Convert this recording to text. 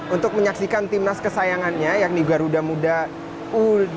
untuk menyaksikan timnas kesayangannya yakni garuda muda u dua puluh